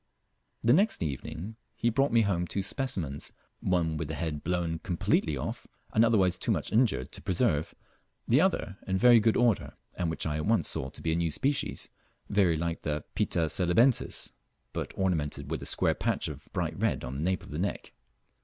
The next evening he brought me home two specimens, one with the head blown completely off, and otherwise too much injured to preserve, the other in very good order, and which I at once saw to be a new species, very like the Pitta celebensis, but ornamented with a square patch of bright red on the nape of the neck.